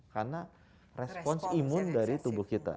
karena respons imun dari tubuh kita